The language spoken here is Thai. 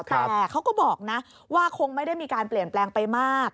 แต่เขาก็บอกนะว่าคงไม่ได้มีการเปลี่ยนแปลงไปมาก